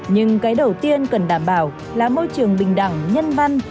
nhưng cái đầu tiên cần đảm bảo là môi trường bình đẳng nhân văn